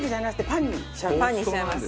パンにしちゃいます。